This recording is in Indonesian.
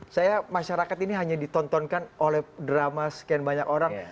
saya masyarakat ini hanya ditontonkan oleh drama sekian banyak orang